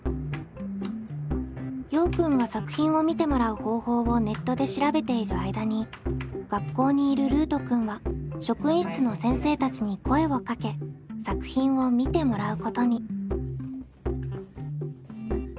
ようくんが作品を見てもらう方法をネットで調べている間に学校にいるルートくんは職員室の先生たちに声をかけ作品を見てもらうことに。